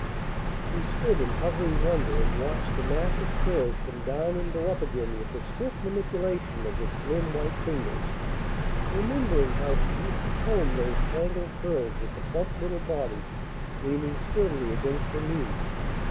She stood in hovering wonder, and watched the mass of curls come down and go up again with the swift manipulation of the slim white fingers, remembering how she used to comb those tangled curls with the plump little body leaning sturdily against her knee.